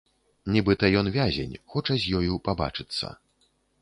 Нібыта ён вязень, хоча з ёю пабачыцца.